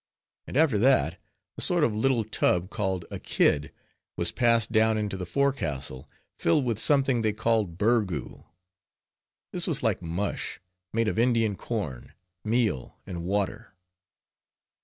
And after that, a sort of little tub called a "kid," was passed down into the forecastle, filled with something they called "burgoo." This was like mush, made of Indian corn, meal, and water.